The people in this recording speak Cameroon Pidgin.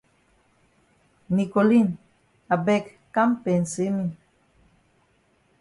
Nicoline I beg kam pensay me.